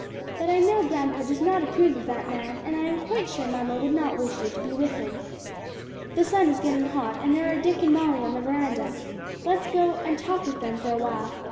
"That I know grandpa does not approve of that man, and I am quite sure mamma would not wish you to be with him. The sun is getting hot and there are Dick and Molly on the veranda; let's go and talk with them for a while.